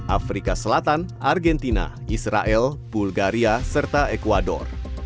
afrika selatan argentina israel bulgaria serta ecuador